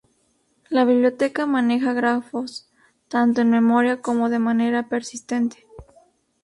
La biblioteca maneja grafos, tanto en memoria como de manera persistente.